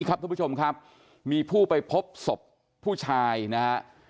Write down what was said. ท่านผู้ชมครับมีผู้ไปพบศพผู้ชายนะฮะ